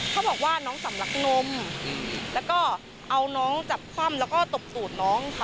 เขาบอกว่าน้องสำลักนมแล้วก็เอาน้องจับคว่ำแล้วก็ตบตูดน้องค่ะ